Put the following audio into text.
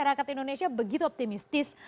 masyarakat indonesia begitu optimistis